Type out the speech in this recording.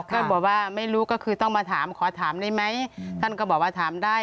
ก็บอกว่าไม่รู้ก็คือต้องมาถามขอถามได้ไหมท่านก็บอกว่าถามได้